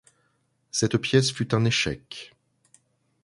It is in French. Cette pièce fut un échec.